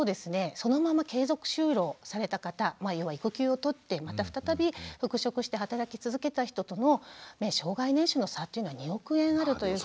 そのまま継続就労された方要は育休をとってまた再び復職して働き続けた人との生涯年収の差というのは２億円あるというふうに言われてるんですよ。